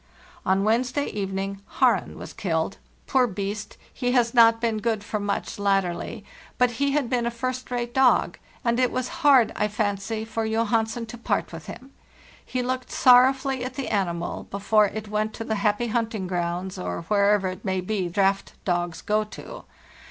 "On Wednesday evening 'Haren' was killed; poor BY SLEDGE AND KAYAK 30 SI beast, he was not good for much latterly, but he had been a first rate dog, and it was hard, I fancy, for Johan sen to part with him; he looked sorrowfully at the animal before it went to the happy hunting grounds, or wherever it may be draught dogs go to.